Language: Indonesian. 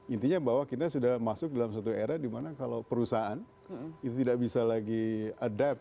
intinya bahwa kita sudah masuk dalam satu era dimana kalau perusahaan itu tidak bisa lagi adapt